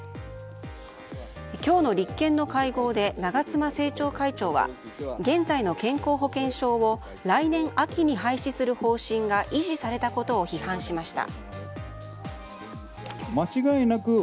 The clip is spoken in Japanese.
今日の立憲の会合で長妻政調会長は現在の健康保険証を来年秋に廃止する方針が維持されたことを批判しました。